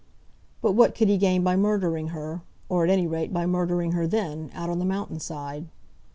But what could he gain by murdering her, or, at any rate, by murdering her then, out on the mountain side?